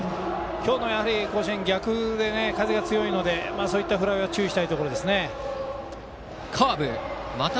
今日の甲子園は逆風が強いのでそういったフライは注意したいところですね。